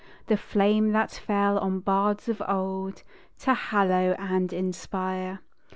The Flame that fell on bards of old To hallow and inspire.